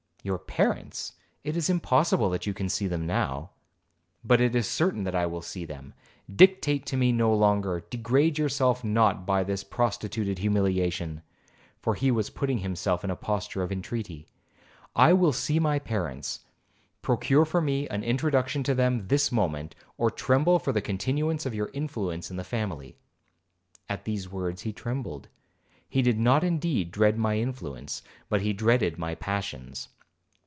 'Your parents,—it is impossible that you can see them now.' 'But it is certain that I will see them. Dictate to me no longer,—degrade yourself not by this prostituted humiliation,' for he was putting himself in a posture of intreaty,—'I will see my parents. Procure for me an introduction to them this moment, or tremble for the continuance of your influence in the family.' At these words he trembled. He did not indeed dread my influence, but he dreaded my passions.